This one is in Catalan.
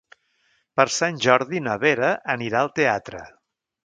Per Sant Jordi na Vera anirà al teatre.